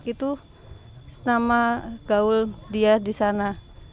itu nama gaul dia di sana